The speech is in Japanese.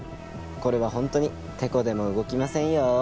これは本当にてこでも動きませんよ？